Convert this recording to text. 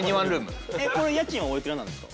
これ家賃はおいくらなんですか？